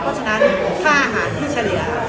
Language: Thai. เพราะฉะนั้นค่าอาหารที่เฉลี่ย